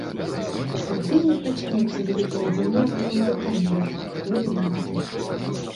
Тады і пачнецца вялікая гульня вакол пытання, хто вінаваты.